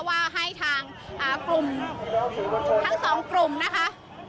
ว่าให้ทางกลุ่มทั้งสองกลุ่มนะคะ